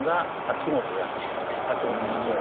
秋元先生。